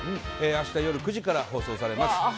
明日夜９時から放送されます。